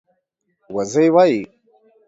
وزۍ وايي